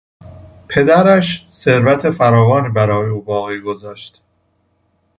پدرش ثروت فراوانی برای او باقی گذاشت.